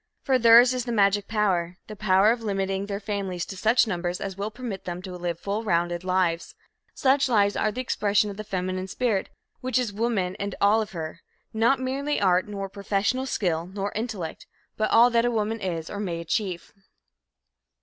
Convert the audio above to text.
For theirs is the magic power the power of limiting their families to such numbers as will permit them to live full rounded lives. Such lives are the expression of the feminine spirit which is woman and all of her not merely art, nor professional skill, nor intellect but all that woman is, or may achieve.